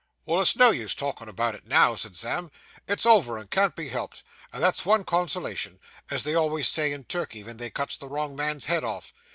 'Well, it's no use talking about it now,' said Sam. 'It's over, and can't be helped, and that's one consolation, as they always says in Turkey, ven they cuts the wrong man's head off.